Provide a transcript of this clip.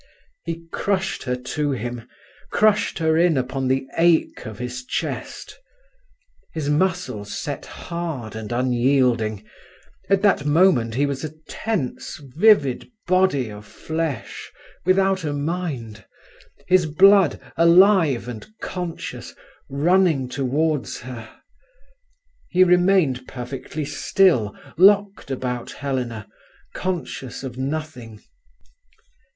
He crushed her to him—crushed her in upon the ache of his chest. His muscles set hard and unyielding; at that moment he was a tense, vivid body of flesh, without a mind; his blood, alive and conscious, running towards her. He remained perfectly still, locked about Helena, conscious of nothing.